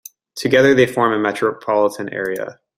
Together they form a metropolitan area.